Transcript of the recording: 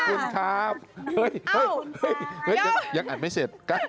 ขอบคุณค่ะเฮ้ยเฮ้ยเฮ้ยยังอัดไม่เสร็จ